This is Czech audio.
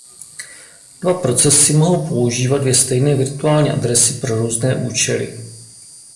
Dva procesy mohou používat dvě stejné virtuální adresy pro různé účely.